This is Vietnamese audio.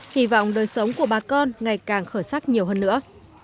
hy vọng đời sống của bà con ngày càng khởi sắc nhiều hơn nữa